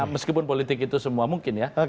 meskipun politik itu semua mungkin ya